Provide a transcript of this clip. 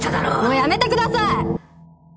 もうやめてください！